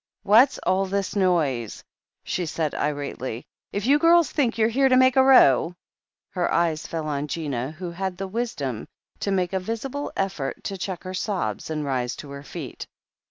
"What's all this noise?*' she asked irately. "H you girls think you're here to make a row " Her eye fell on Gina, who had the wisdom to make a visible effort to check her sobs and rise to her feet.